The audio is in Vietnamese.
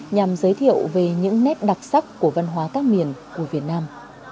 nhằm giới thiệu về những nét đặc sắc của văn hóa các miền của việt nam